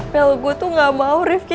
bel gue tuh gak mau rifki